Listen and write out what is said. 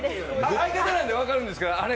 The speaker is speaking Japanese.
相方なんで分かるんですけどあれ